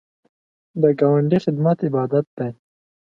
د ګاونډي خدمت عبادت دی